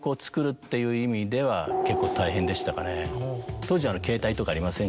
当時。